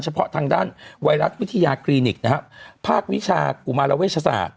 เพาะทางด้านไวรัสวิทยาคลินิกนะฮะภาควิชากุมารเวชศาสตร์